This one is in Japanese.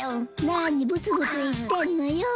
何ブツブツ言ってんのよ。